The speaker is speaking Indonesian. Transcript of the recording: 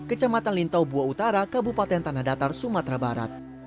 kecamatan lintau bua utara kabupaten tanah datar sumatera barat